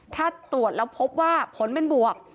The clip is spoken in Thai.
ถ้าตรวจแล้วพบว่าผลเป็นบวก